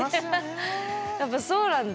やっぱり、そうなんだ。